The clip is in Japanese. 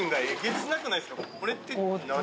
これって。